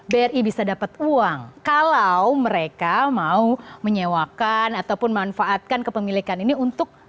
bri bisa dapat uang kalau mereka mau menyewakan ataupun manfaatkan kepemilikan ini untuk